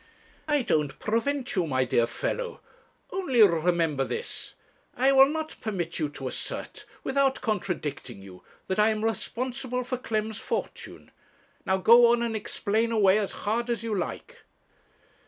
'I don't prevent you, my dear fellow only remember this: I will not permit you to assert, without contradicting you, that I am responsible for Clem's fortune. Now, go on, and explain away as hard as you like.'